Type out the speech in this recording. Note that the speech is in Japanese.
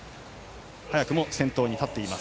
早くも先頭に立っています。